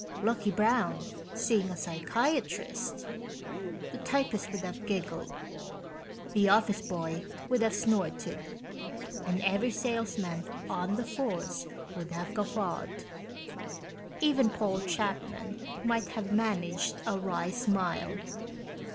"Lucky Brown? seeing a psychiatrist?" The typist would have giggled, the office boy would have snorted, and every salesman on the force would have guffawed. Even Paul Chapman might have managed a wry smile.